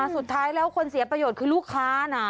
สุดท้ายแล้วคนเสียประโยชน์คือลูกค้านะ